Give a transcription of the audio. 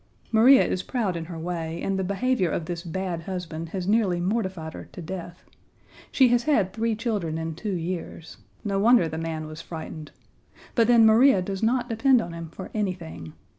Maria is proud in her way, and the behavior of this bad husband has nearly mortified her to death. She has had three children in two years. No wonder the man was frightened. But then Maria does not depend on him for anything.